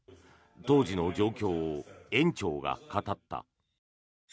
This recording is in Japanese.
当時の状況を園長が語った。